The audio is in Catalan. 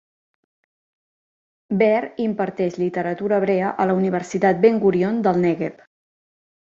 Be'er imparteix literatura hebrea a la Universitat Ben Gurion del Nègueb.